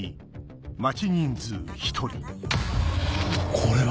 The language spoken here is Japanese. これは。